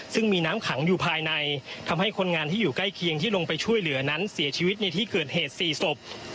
ซึ่งมีน้ำขังอยู่ภายในทำให้คนงานที่อยู่ใกล้เคียงที่ลงไปช่วยเหลือนั้นเสียชีวิตในที่เกิดเหตุ๔ศพ